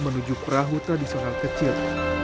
menuju perahu tradisional kecil